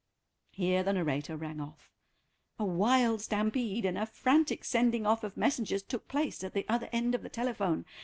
Here the narrator rang off. A wild stampede and a frantic sending off of messengers took place at the other end of the telephone.